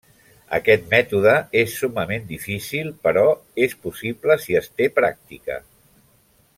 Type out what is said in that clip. Aquest mètode és summament difícil, però és possible si es té pràctica.